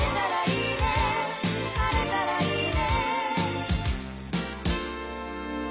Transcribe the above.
「晴れたらいいね」